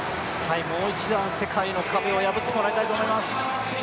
もう一度、世界の壁を破ってもらいたいと思います。